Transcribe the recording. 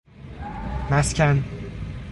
مسکن